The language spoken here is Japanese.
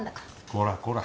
こらこら。